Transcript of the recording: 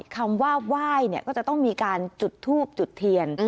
คำว่าไหว้ก็จะต้องมีการจุดทูบจุดเทียน